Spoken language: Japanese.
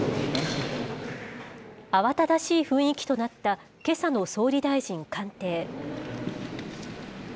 慌ただしい雰囲気となった、けさの総理大臣官邸。